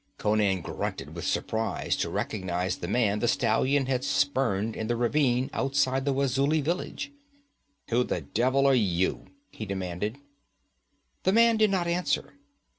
Conan grunted with surprize to recognize the man the stallion had spurned in the ravine outside the Wazuli village. 'Who the devil are you?' he demanded. The man did not answer.